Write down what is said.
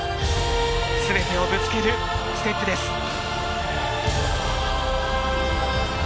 全てをぶつけるステップです。